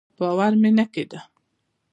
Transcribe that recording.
باور مې نه کېده.